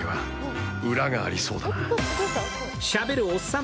しゃべるおっさん